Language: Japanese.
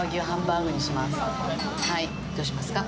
どうしますか？